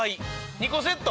２個セット。